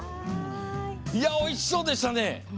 おいしそうでしたね。